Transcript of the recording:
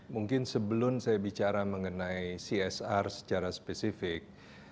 mungkin sebelum saya bicara mengenai csr secara spesifik